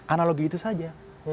analogi itu saja